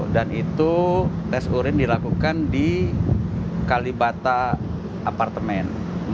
dan itu tes urin dilakukan di kalibata apartemen